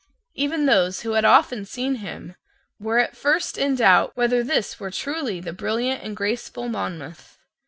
Even those who had often seen him were at first in doubt whether this were truly the brilliant and graceful Monmouth.